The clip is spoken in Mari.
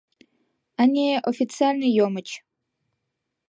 Ане, офицальне йомыч.